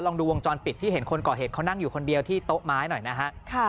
ดูวงจรปิดที่เห็นคนก่อเหตุเขานั่งอยู่คนเดียวที่โต๊ะไม้หน่อยนะฮะ